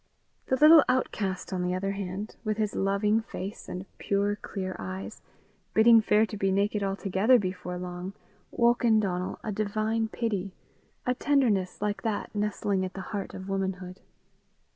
The little outcast, on the other hand, with his loving face and pure clear eyes, bidding fair to be naked altogether before long, woke in Donal a divine pity, a tenderness like that nestling at the heart of womanhood.